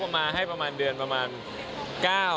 เขามาให้ประมาณเดือนประมาณ๙๐วัน